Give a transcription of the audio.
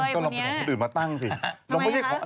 คุณเป็นสุดยอดของมนุษย์กัน